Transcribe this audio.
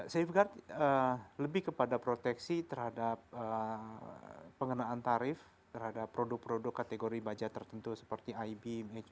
safeguard lebih kepada proteksi terhadap pengenaan tarif terhadap produk produk kategori baja tertentu seperti ib make